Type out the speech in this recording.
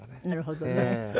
なるほどね。